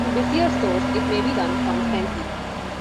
In busier stores it may be done constantly.